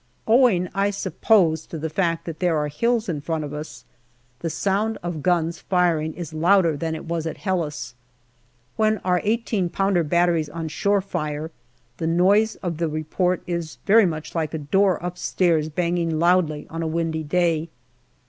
Owing, I suppose, to the fact that there are hills in front of us, the sound of guns firing is louder than it was at Helles. When our i8 pounder batteries on shore fire, the noise of the report is very much like a door upstairs banging loudly on a windy day.